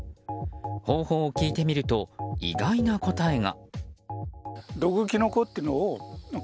方法を聞いてみると意外な答えが。